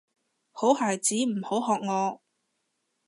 好孩子唔好學我